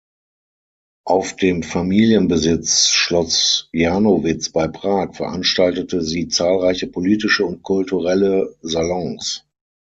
Auf dem Familienbesitz "Schloss Janowitz" bei Prag veranstaltete sie zahlreiche politische und kulturelle Salons.